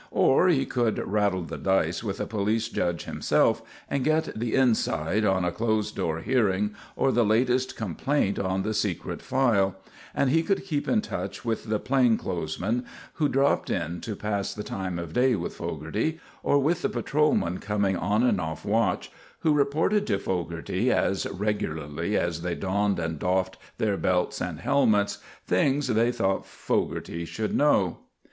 Or he could rattle the dice with a police judge himself and get the "inside" on a closed door hearing or the latest complaint on the secret file; and he could keep in touch with the "plain clothes" men who dropped in to pass the time of day with Fogarty; or with the patrolmen coming on and off watch, who reported to Fogarty as regularly as they donned and doffed their belts and helmets things they thought Fogarty should know.